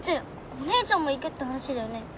お姉ちゃんも行くって話だよね。